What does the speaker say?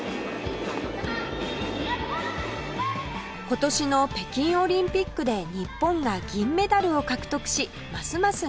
今年の北京オリンピックで日本が銀メダルを獲得しますます